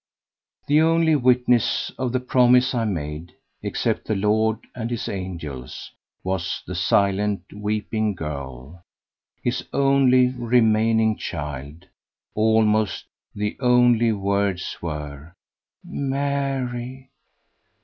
The only witness of the promise I made except the Lord and His angels was the silently weeping girl, his only remaining child. Almost the only words were: "Mary."